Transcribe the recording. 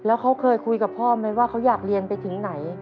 แล้วเขาเคยคุยกับพ่อไหมว่าเขาอยากเรียนไปถึงไหน